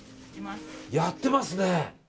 やってますね！